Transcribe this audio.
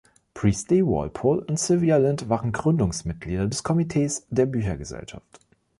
Priestley, Walpole und Sylvia Lynd waren Gründungsmitglieder des Komitees der Büchergesellschaft.